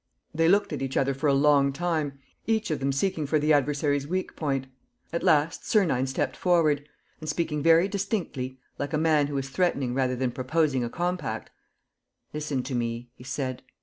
They looked at each other for a long time, each of them seeking for the adversary's weak point. At last, Sernine stepped forward and, speaking very distinctly, like a man who is threatening rather than proposing a compact: "Listen to me," he said.